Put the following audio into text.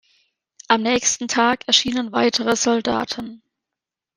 Am nächsten Tag erschienen weitere Soldaten.